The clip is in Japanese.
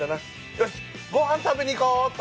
よしごはん食べに行こうっと。